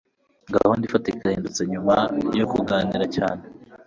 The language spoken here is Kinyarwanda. Gahunda ifatika yahindutse nyuma yo kuganira cyane.